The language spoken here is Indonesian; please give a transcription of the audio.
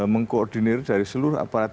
mengkoordinir dari seluruh aparat